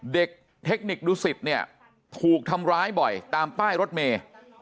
เทคนิคดูสิตเนี่ยถูกทำร้ายบ่อยตามป้ายรถเมย์